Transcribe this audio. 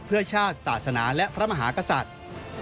เพื่อชาติศาสนาและพระมหากษัตริย์